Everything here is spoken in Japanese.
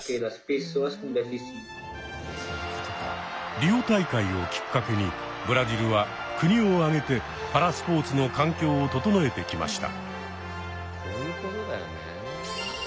リオ大会をきっかけにブラジルは国を挙げてパラスポーツの環境を整えてきました。